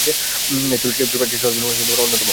এই তুরস্কের প্রাচীন শহরগুলির মধ্যে অন্যতম।